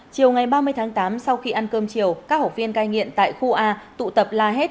chiều ngày ba mươi tháng tám sau khi ăn cơm chiều các học viên cai nghiện tại khu a tụ tập la hét